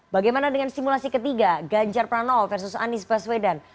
bagaimana dengan simulasi ketiga ganjar prano versus anies baswedan